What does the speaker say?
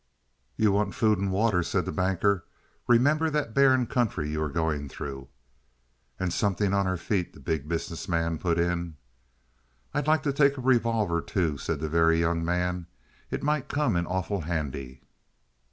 "You want food and water," said the Banker. "Remember that barren country you are going through." "And something on our feet," the Big Business Man put in. "I'd like to take a revolver, too," said the Very Young Man. "It might come in awful handy."